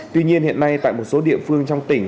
tuy nhiên hiện nay tại một số địa phương trong tỉnh